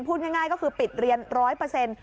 พูดง่ายก็คือปิดเรียน๑๐๐